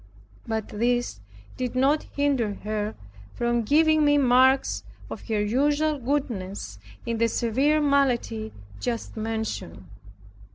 But this did not hinder her from giving me marks of her usual goodness, in the severe malady just mentioned.